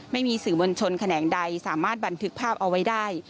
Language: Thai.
ไม่มีสื่อมวลชนแขนงใดสามารถบันทึกภาพเอาไว้ได้